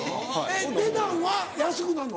値段は安くなんの？